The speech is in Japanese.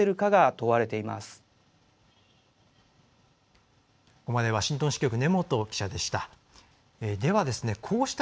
ここまでワシントン支局根本記者でした。